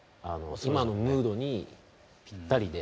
今のムードにぴったりで。